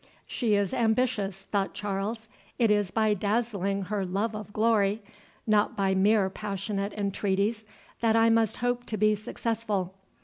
"She is ambitious," thought Charles; "it is by dazzling her love of glory, not by mere passionate entreaties, that I must hope to be successful.